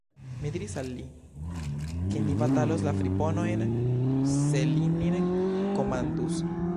Mi diris al li, ke ni batalos la friponojn, se li nin komandus.